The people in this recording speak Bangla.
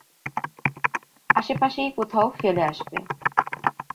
আশে পাশেই কোথাও ফেলে আসবে।